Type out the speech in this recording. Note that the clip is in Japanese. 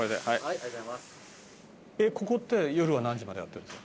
ここって夜は何時までやってんですか？